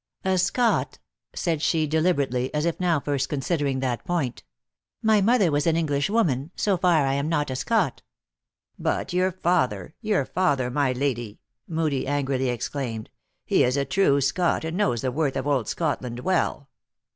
" A Scot!" said she, deliberately, as if now first considering that point. " My mother was an English woman. So far, I am not a Scot." 230 THE ACTRESS IN HIGH LIFE. " But your father ! Your father, my lady !" Moodie angrily exclaimed. " He is a true Scot, and knows the worth of old Scotland well."